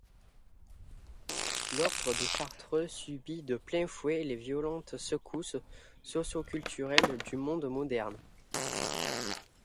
L'Ordre des Chartreux subit de plein fouet les violentes secousses socio-culturelles du monde moderne.